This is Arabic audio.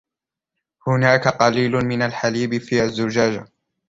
هناك قليل من الحليب في الزجاجة.